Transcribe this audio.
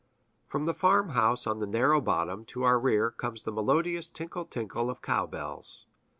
From the farmhouse on the narrow bottom to our rear comes the melodious tinkle tinkle of cow bells.